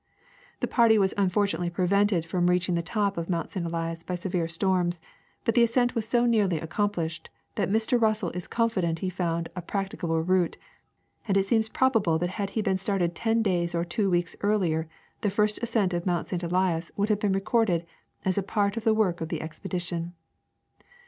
The party was unfortunately j)revented from reaching the top of Mount St. Elias by severe storms, but the ascent was so nearly accomplished that Mr. Russell is confident he found a practica ble route ; and it seems probable that had he been started ten days or tAVO Aveeks earlier the first ascent of Mount St. Elias Avoulcl have been recorded as a part of the Avork of the expedi tion.